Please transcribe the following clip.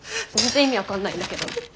全然意味分かんないんだけど。